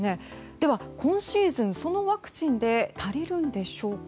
では、今シーズンそのワクチンで足りるんでしょうか。